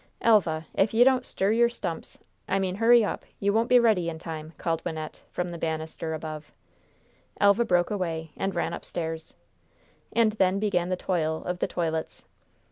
"Elva! If you don't stir your stumps I mean hurry up you won't be ready in time!" called Wynnette, from the bannister above. Elva broke away, and ran upstairs. And then began the toil of the toilets.